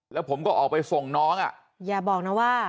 แล้วผมก็ออกไปส่งน้องอ่ะอย่าบอกนะว่า